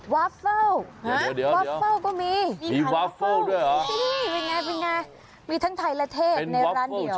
วาเฟิลมีทั้งไทยและเทพในร้านเดียว